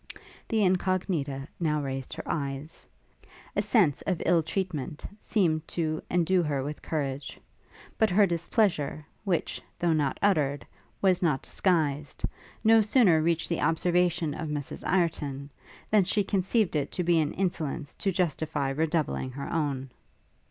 The Incognita now raised her eyes. A sense of ill treatment seemed to endue her with courage; but her displeasure, which, though not uttered, was not disguised, no sooner reached the observation of Mrs Ireton, than she conceived it to be an insolence to justify redoubling her own.